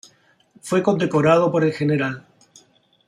Fue condecorado por el Gral.